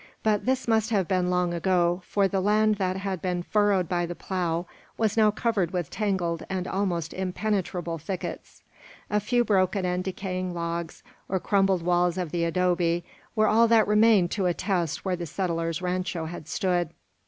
But this must have been long ago, for the land that had been furrowed by the plough was now covered with tangled and almost impenetrable thickets. A few broken and decaying logs, or crumbling walls of the adobe were all that remained to attest where the settlers' rancho had stood.